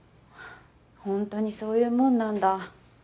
本当にそういうもんなんだ。